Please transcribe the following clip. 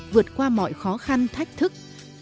vượt qua mọi khó khăn thách thức